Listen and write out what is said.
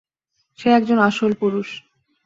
সে একজন আসল পুরুষ।